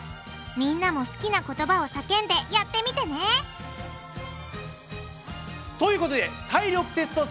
みんなも好きな言葉を叫んでやってみてね！ということで体力テスト